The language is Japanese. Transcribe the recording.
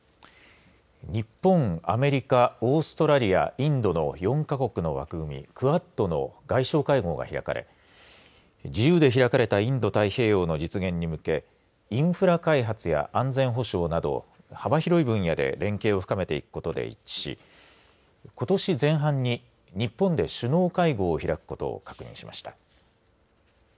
日本アメリカ、オーストラリアインドの４か国の枠組みクアッドの外相会合が開かれ自由で開かれたインド太平洋の実現に向けインフラ開発や安全保障など幅広い分野で連携を深めていくことで一致しことし前半に日本で首脳会合を開くことを確認しました。